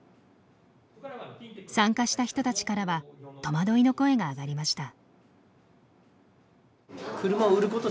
参加した人たちからは戸惑いの声が上がりました。